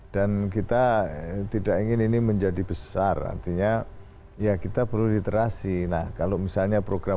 dan kita tidak ingin ini menjadi besar artinya ya kita perlu literasi nah kalau misalnya program